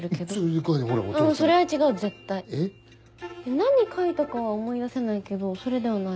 何描いたかは思い出せないけどそれではない。